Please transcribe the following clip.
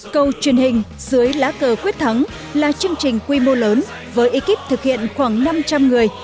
câu truyền hình dưới lá cờ quyết thắng là chương trình quy mô lớn với ekip thực hiện khoảng năm trăm linh người